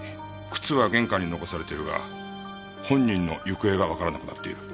靴は玄関に残されているが本人の行方がわからなくなっている。